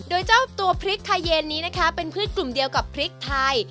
โดยเจ้าตัวพริกไทยเย็นนี้นะคะเป็นพืชกลุ่มเดียวกับพริกไทย